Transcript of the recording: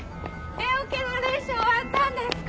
Ａオケの練習終わったんですか？